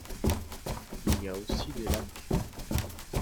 Il y a aussi des lacs.